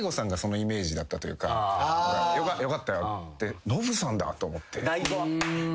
「よかったよ」ってノブさんだと思って。